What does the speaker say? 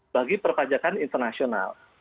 bagi perpajakan internasional